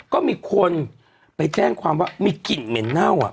ก็มีคนไปแจ้งความว่ามีกลิ่นเหม็นเน่า